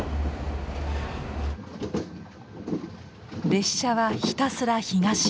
列車はひたすら東へ。